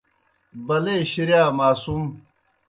بلے شِرِیا ماصُم